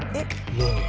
何？